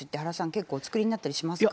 結構お作りになったりしますか？